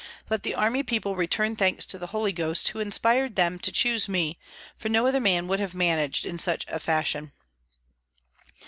Let the army people return thanks to the Holy Ghost, who inspired them to choose me, for no other man would have managed in such fashion."